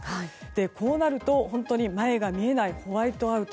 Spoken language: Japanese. こうなると前が見えないホワイトアウト